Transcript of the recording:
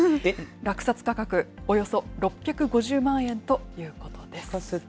落札価格、およそ６５０万円とい聴かせて。